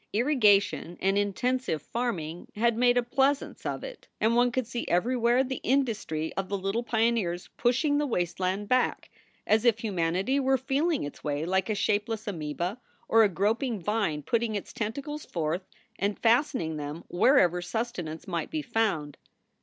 Irrigation and intensive farm ing had made a pleasaunce of it and one could see everywhere the industry of the little pioneers pushing the wasteland back, as if humanity were feeling its way like a shapeless amceba or a groping vine putting its tentacles forth and fastening them wherever sustenance might be found.